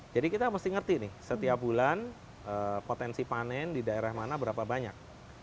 jadi kita mesti ngerti nih setiap bulan potensi panen di daerah mana berapa banyak